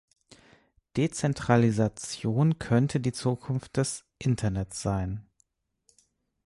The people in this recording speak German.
Dezentralisation könnte die Zukunft des Internets sein.